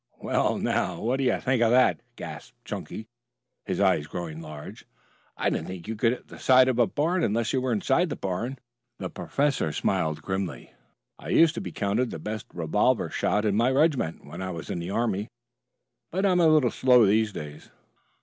"Well, now, what do you think of that?" gasped Chunky, his eyes growing large. "I didn't think you could hit the side of a barn unless you were inside the barn." The professor smiled grimly. "I used to be counted the best revolver shot in my regiment when I was in the army. But I'm a little slow these days."